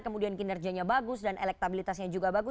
kemudian kinerjanya bagus dan elektabilitasnya juga bagus